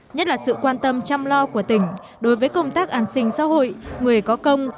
nhất là sự quan tâm chăm lo của tỉnh đối với công tác an sinh xã hội người có công